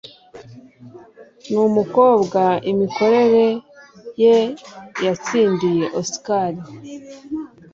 Numukobwa imikorere ye yatsindiye Oscar.